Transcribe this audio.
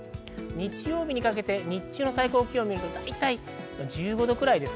日曜日にかけて日中の最高気温を見ると、大体１５度くらいです。